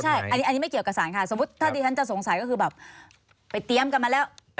ใช่อันนี้ไม่เกี่ยวกับสารค่ะสมมุติถ้าที่ฉันจะสงสัยก็คือแบบไปเตรียมกันมาแล้ว